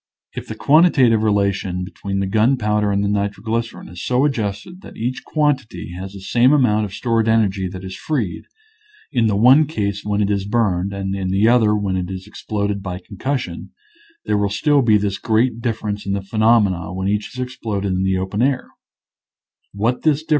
If the quantita tive relation between the gunpowder and the nitroglycerin is so adjusted that each quantity has the same amount of stored energy that is freed, in the one case when it is burned and in the other when it is exploded by concussion, there will still be this great difference in the phenomena when each is exploded in the open air.